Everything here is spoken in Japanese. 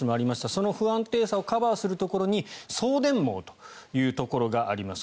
その不安定さをカバーするところに送電網というものがあります。